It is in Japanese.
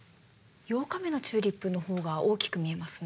８日目のチューリップの方が大きく見えますね。